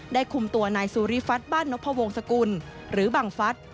คุมตัวนายสุริฟัฒนบ้านนพวงศกุลหรือบังฟัฐ